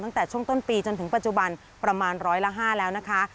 ตั้งแต่ช่วงต้นปีจนถึงปัจจุบันประมาณร้อยละ๕แล้วนะคะ